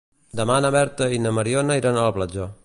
Demà na Berta i na Mariona iran a la platja.